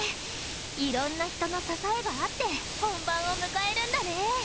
いろんな人の支えがあって本番を迎えるんだね。